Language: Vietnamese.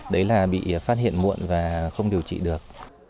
đấy là bị phát hiện muộn và không điều trị được